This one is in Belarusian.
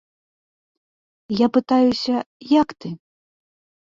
Я пытаюся, як ты?